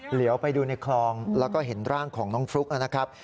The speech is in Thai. เหลียวไปดูในคลองแล้วก็เห็นร่างของน้องฟลุ๊กนะครับ